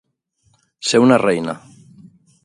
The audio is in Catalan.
Ser una reina.